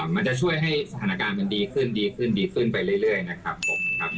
มันจะช่วยให้สถานการณ์มันดีขึ้นดีขึ้นดีขึ้นไปเรื่อยนะครับผมครับ